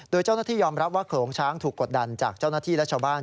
โดยเจ้าหน้าที่ยอมรับว่าโขลงช้างถูกกดดันจากเจ้าหน้าที่และชาวบ้าน